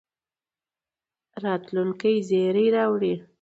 راتلونکي زېری راوړي.